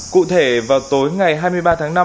cụ thể vào tối ngày hai mươi ba tháng năm